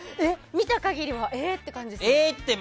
見た限りは、え？って感じです。